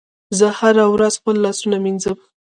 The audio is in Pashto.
زه هره ورځ خپل لاسونه مینځم.